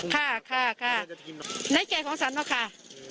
ค่ะค่ะค่ะในแก่ของฉันนะคะ